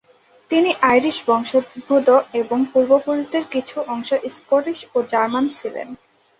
তিনি আইরিশ বংশোদ্ভূত এবং তার পূর্বপুরুষদের কিছু অংশ স্কটিশ ও জার্মান ছিলেন।